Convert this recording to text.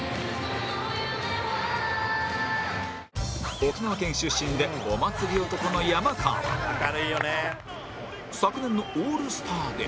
沖縄県出身でお祭り男の山川昨年のオールスターで